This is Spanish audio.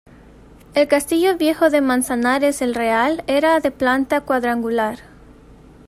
El castillo viejo de Manzanares el Real era de planta cuadrangular.